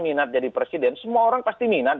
minat jadi presiden semua orang pasti minat